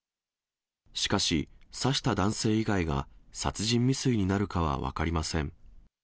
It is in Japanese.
しかし、刺した男性以外が殺人未遂になるかは分かりません。